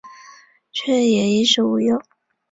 却也衣食无虑